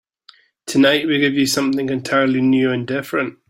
Tonight we give you something entirely new and different.